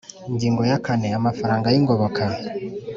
Ingingo ya kane Amafaranga y ingoboka